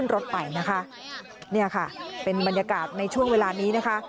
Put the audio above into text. นี่ค่ะเป็นบรรยากาศในช่วงเวลานี้ค่ะ